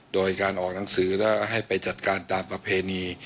โดยการออกหนังสือแล้วให้ไปจัดการตามประเพณี